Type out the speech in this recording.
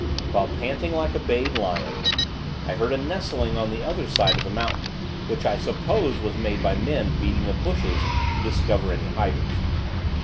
While panting like a bayed lion, I heard a nestling on the other side of the mountain, which I supposed was made by men beating the bushes to discover any hiders.